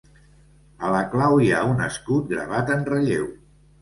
A la clau hi ha un escut gravat en relleu.